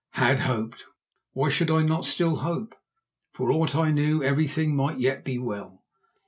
Had hoped!—why should I not still hope? For aught I knew everything might yet be well.